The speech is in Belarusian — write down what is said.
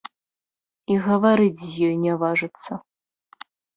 І гаварыць з ёй не важыцца.